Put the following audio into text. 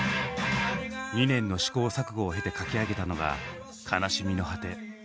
２年の試行錯誤を経て書き上げたのが「悲しみの果て」。